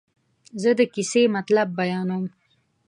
زه د کیسې مطلب بیانوم.